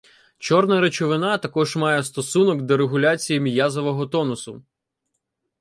Чорна речовина також має стосунок до регуляції м'язового тонусу.